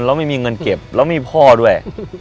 เราไม่มีเงินเก็บเราไม่มีพ่อด้วย